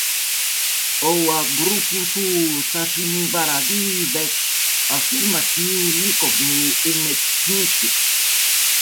Ova grupu su sačinjavali već afirmisani likovni umetnici.